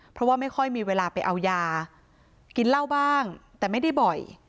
เพราะว่าไม่ค่อยมีเวลาไปเอายากินเหล้าบ้างแต่ไม่ได้บ่อย